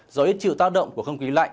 do ít chịu tác động của không khí lạnh